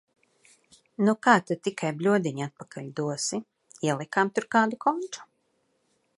Nu kā tad tikai bļodiņu atpakaļ dosi – ielikām tur kādu konču.